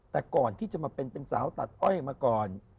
แต่ก่อนที่จะมาเป็นสาวตัดอ้อยมาก่อน